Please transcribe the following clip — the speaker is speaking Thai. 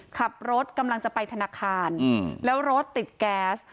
ขับรถกำลังจะไปธนาคารแล้วรถติดแก๊ส